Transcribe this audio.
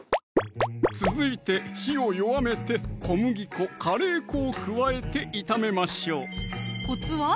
続いて火を弱めて小麦粉・カレー粉を加えて炒めましょうコツは？